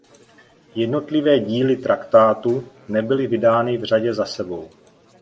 Jednotlivé díly traktátu nebyly vydány v řadě za sebou.